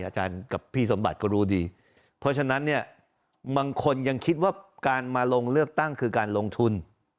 อาจารย์กับพี่สมบัติก็รู้ดีเพราะฉะนั้นเนี่ยบางคนยังคิดว่าการมาลงเลือกตั้งคือการลงทุน